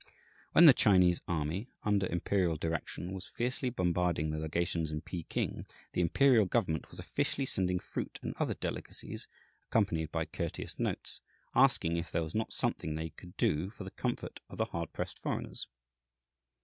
When the Chinese army, under imperial direction, was fiercely bombarding the legations in Peking, the imperial government was officially sending fruit and other delicacies, accompanied by courteous notes, asking if there was not something they could do for the comfort of the hard pressed foreigners.